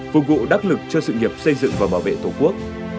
phục vụ đắc lực cho sự nghiệp xây dựng và bảo vệ tổ quốc